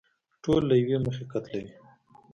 ټول له يوې مخې قتلوي.